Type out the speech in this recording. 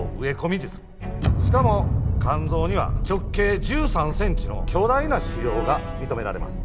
しかも肝臓には直径１３センチの巨大な腫瘍が認められます。